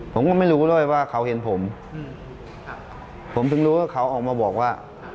ผมก็ไม่รู้ด้วยว่าเขาเห็นผมผมถึงรู้ว่าเขาออกมาบอกว่า